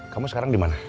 kamu sekarang di mana